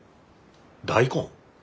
大根？